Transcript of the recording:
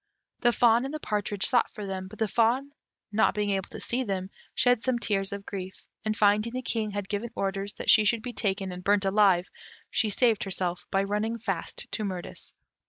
The fawn and the partridge sought for them, but the fawn not being able to see them, shed some tears of grief, and finding the King had given orders that she should be taken and burnt alive, she saved herself by running fast to Mirtis.